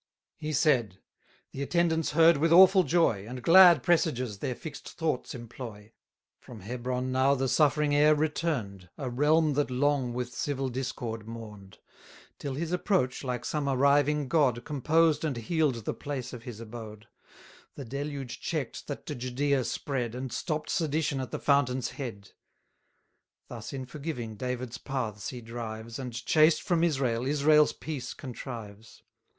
790 He said, the attendants heard with awful joy, And glad presages their fix'd thoughts employ; From Hebron now the suffering heir return'd, A realm that long with civil discord mourn'd; Till his approach, like some arriving God, Composed and heal'd the place of his abode; The deluge check'd that to Judea spread, And stopp'd sedition at the fountain's head. Thus, in forgiving, David's paths he drives, And, chased from Israel, Israel's peace contrives.